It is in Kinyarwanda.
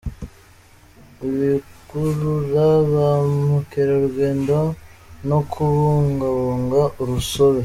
ibikurura ba mukerarugendo no kubungabunga urusobe